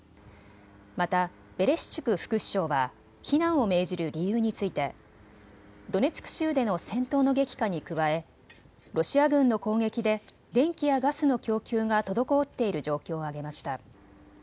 またベレシチュク副首相は避難を命じる理由についてドネツク州での戦闘の激化に加えロシア軍の攻撃で電気やガスの供給が滞っている状況を挙げました。